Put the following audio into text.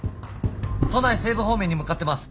都内西部方面に向かってます。